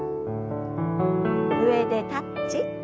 上でタッチ。